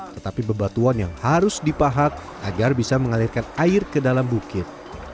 tetapi bebatuan yang harus dipahat agar bisa mengalirkan air ke dalam bukit